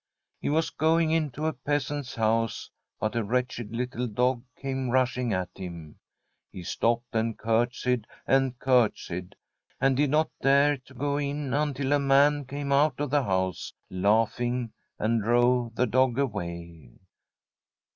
He was going into a peasant's house, but a wretched little dog came rushing at him. He stopped and curtsied and curtsied, and did not dare to go in until a man came out of the house, laughing, and drove the dog away.